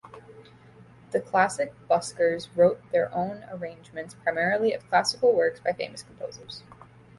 The Classic Buskers wrote their own arrangements, primarily of classical works by famous composers.